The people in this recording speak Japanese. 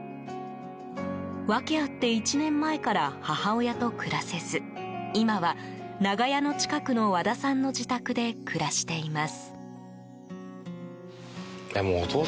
訳あって１年前から母親と暮らせず今は、ながやの近くの和田さんの自宅で暮らしています。